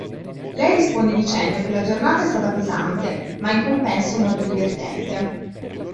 Lei risponde dicendo che la giornata è stata pesante, ma in compenso molto divertente.